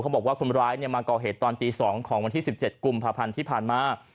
บอกว่าคนร้ายมาก่อเหตุตอนตี๒ของวันที่๑๗กุมภาพันธ์ที่ผ่านมา